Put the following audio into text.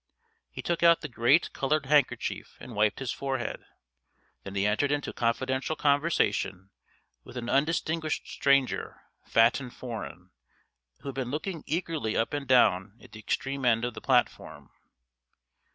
He took out the great coloured handkerchief, and wiped his forehead. Then he entered into confidential conversation with an undistinguished stranger, fat and foreign, who had been looking eagerly up and down at the extreme end of the platform.